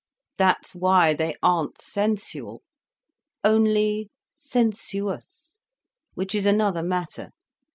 "That's why they aren't sensual—only sensuous—which is another matter.